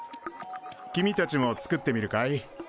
君たちも作ってみるかい？